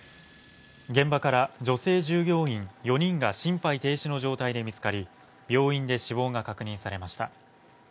現場から女性従業員４人が心肺停止の状態で見つかり、病院で死亡が確認されました。